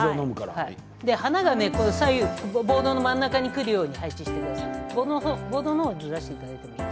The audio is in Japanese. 花がボードの真ん中に来るように配置してください。